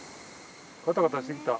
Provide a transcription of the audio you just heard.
ガタガタしてきた？